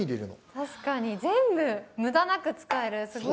確かに全部むだなく使える。